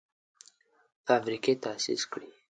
فابریکې تاسیس کړي.